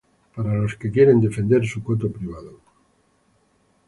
para los que quieren defender su coto privado